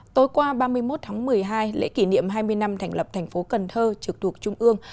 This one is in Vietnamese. tối qua ba mươi một tháng một mươi hai lễ kỷ niệm hai mươi năm thành lập thành phố cần thơ trực thuộc trung ương